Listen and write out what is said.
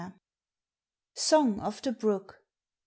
SOXG OF THE BROOK.